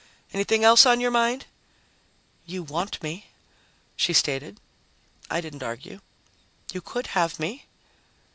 Anything else on your mind?" "You want me," she stated. I didn't argue. "You could have me."